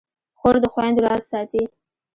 خور د خویندو راز ساتي.